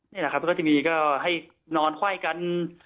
นี่แหละครับก็จะมีก็ให้นอนไขว้กัน